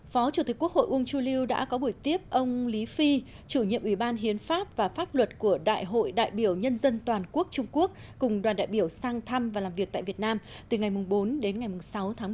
phó chủ tịch quốc hội uông chu lưu đã có buổi tiếp ông lý phi chủ nhiệm ủy ban hiến pháp và pháp luật của đại hội đại biểu nhân dân toàn quốc trung quốc cùng đoàn đại biểu sang thăm và làm việc tại việt nam từ ngày bốn đến ngày sáu tháng một mươi